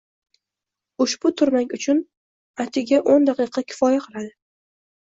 Ushbu turmak uchun atigio´ndaqiqa kifoya qiladi